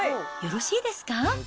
よろしいですか？